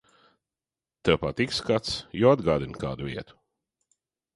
Tev patīk skats, jo atgādina kādu vietu?